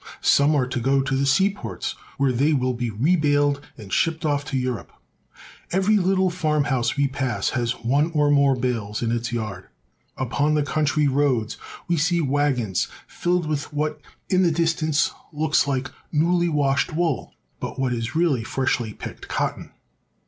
Some are to go to the seaports, where they will be rebaled and shipped off to Europe. Every little farmhouse we pass HOW COTTON GROWS. Ill has one or more bales in its yard. Upon the country roads we see wagons filled with what in the distance Ipoks like newly washed wool, but what is really freshly picked cotton.